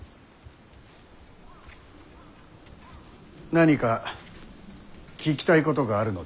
何か聞きたいことがあるのであろう。